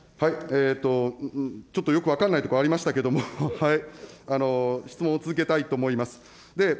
ちょっとよく分かんないところありましたけれども、質問を続けたいと思います。